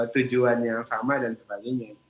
tujuannya sama dan sebagainya